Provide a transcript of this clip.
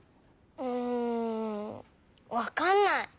うんわかんない。